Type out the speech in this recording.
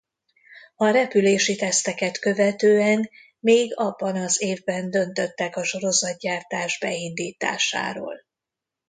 A repülési teszteket követően még abban az évben döntöttek a sorozatgyártás beindításáról.